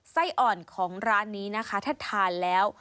ไส้อ่อนของร้านนี้นะคะถ้าทานแล้ว